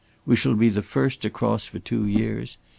We shall be the first to cross for two years.